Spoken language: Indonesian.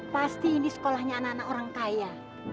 pasti ini sekolahnya anak anak orang kaya